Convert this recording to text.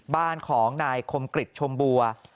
บ้านของนายคมกริจชมบัว